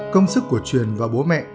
công sức của truyền và bố mẹ